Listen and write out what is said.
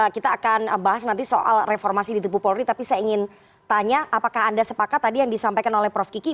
kita akan bahas nanti soal reformasi di tubuh polri tapi saya ingin tanya apakah anda sepakat tadi yang disampaikan oleh prof kiki